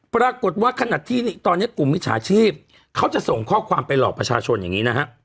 ขนาดที่ตอนนี้กลุ่มมิจฉาชีพเขาจะส่งข้อความไปหลอกประชาชนอย่างนี้นะฮะ